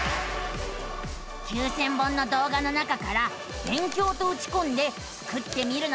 ９，０００本の動画の中から「勉強」とうちこんでスクってみるのさあ。